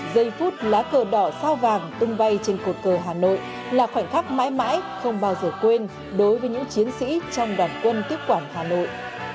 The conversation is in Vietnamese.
giây phút lá cờ đỏ sao vàng tung bay trên cột cờ hà nội là khoảnh khắc mãi mãi không bao giờ quên đối với những chiến sĩ trong đoàn quân tiếp quản hà nội